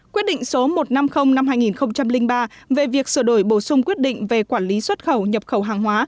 quyết định số một trăm năm mươi năm hai nghìn ba về việc sửa đổi bổ sung quyết định về quản lý xuất khẩu nhập khẩu hàng hóa